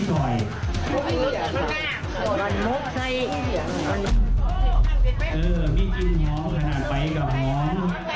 เออพี่จิ้มหอมขนาดไปกับหอม